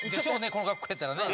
この格好やったらね。